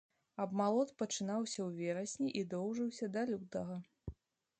Абмалот пачынаўся ў верасні і доўжыўся да лютага.